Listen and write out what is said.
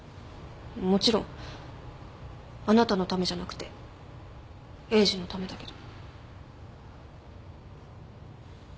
もちろんあなたのためじゃなくてエイジのためだけど。